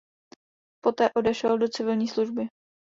Poté odešel do civilní služby.